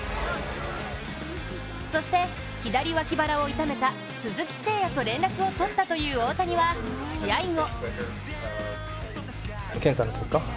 そして、左脇腹を痛めた鈴木誠也と連絡を取ったという大谷は試合後